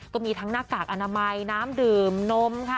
ก็มีทั้งหน้ากากอนามัยน้ำดื่มนมค่ะ